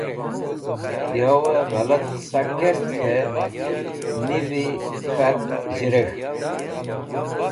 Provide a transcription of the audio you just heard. Yawẽ ghẽlat qẽsa kert k̃hẽ nivi k̃hat zhẽrek̃hk